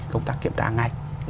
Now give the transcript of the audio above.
công tác kiểm tra ngay